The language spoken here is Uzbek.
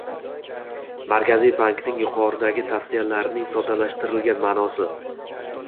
Markaziy bankning yuqoridagi tavsiyalarining soddalashtirilgan ma'nosi: